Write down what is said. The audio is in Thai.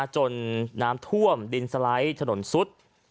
จนน้ำท่วมดินสไลด์ถนนซุด